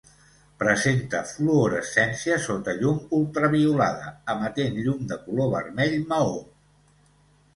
Presenta fluorescència sota llum ultraviolada, emetent llum de color vermell maó.